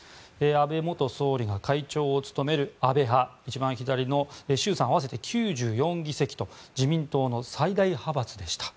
安倍元総理が会長を務める安倍派衆参合わせて９４議席と自民党の最大派閥でした。